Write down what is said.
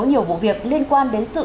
nhiều vụ việc liên quan đến sự